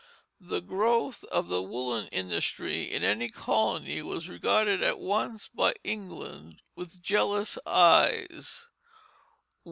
The growth of the woollen industry in any colony was regarded at once by England with jealous eyes.